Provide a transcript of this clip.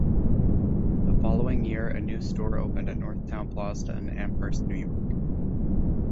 The following year a new store opened at Northtown Plaza in Amherst, New York.